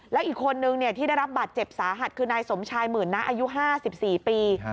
แล้วอีกคนนึงที่ได้รับบาดเจ็บสาหัสคือนายสมชายหมื่นนะอายุ๕๔ปี